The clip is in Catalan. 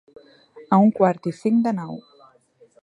A un quart i cinc de nou.